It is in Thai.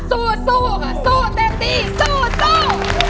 สู้สู้เต็มที่สู้